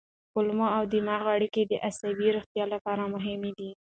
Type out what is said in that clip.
کولمو او دماغ اړیکه د عصبي روغتیا لپاره مهمه ده.